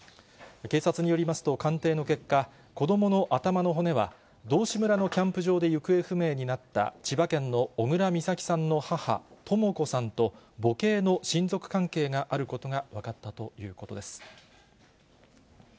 警察によりますと、鑑定の結果、子どもの頭の骨は、道志村のキャンプ場で行方不明になった千葉県の小倉美咲さんの母、とも子さんと、母系の親族関係があることが分かったということです。